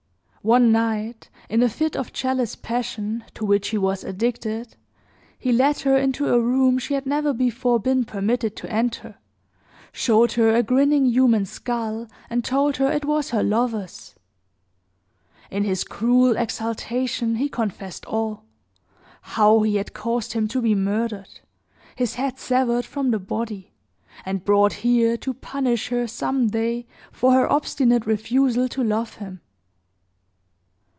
One night, in a fit of jealous passion, to which he was addicted, he led her into a room she had never before been permitted to enter; showed her a grinning human skull, and told her it was her lover's! In his cruel exultation, he confessed all; how he had caused him to be murdered; his head severed from the body; and brought here to punish her, some day, for her obstinate refusal to love him.